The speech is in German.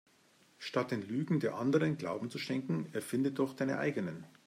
Statt den Lügen der Anderen Glauben zu schenken erfinde doch deine eigenen.